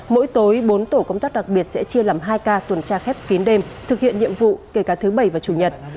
mỗi tối bốn tổ công tác đặc biệt sẽ chia làm hai ca tuần tra khép kín đêm thực hiện nhiệm vụ kể cả thứ bảy và chủ nhật